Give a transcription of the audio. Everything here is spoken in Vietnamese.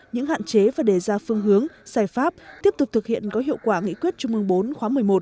những hạn chế và đề ra phương hướng giải pháp tiếp tục thực hiện có hiệu quả nghị quyết trung ương bốn khóa một mươi một